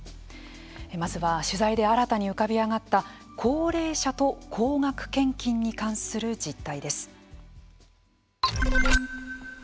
まずは取材で新たに浮かび上がった高齢者と高額献金に関する実態です。